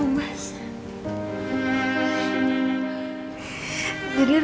mana rantau mas